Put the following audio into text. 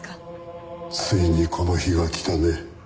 ついにこの日が来たね。